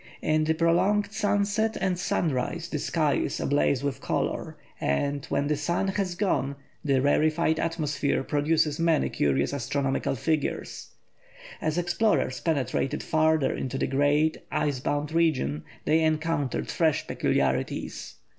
In the prolonged sunset and sunrise the sky is ablaze with colour, and, when the sun has gone, the rarefied atmosphere produces many curious astronomical figures. As explorers penetrated farther into the great ice bound region they encountered fresh peculiarities.